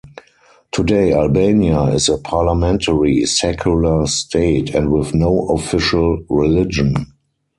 Today Albania is a parliamentary secular state and with no official religion.